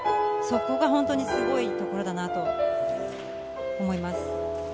そこが本当にすごいところだと思います。